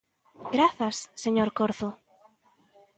Grazas, señor Corzo.